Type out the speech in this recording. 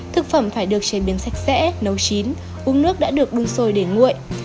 thực phẩm phải được chế biến sạch sẽ nấu chín uống nước đã được đun sôi để nguội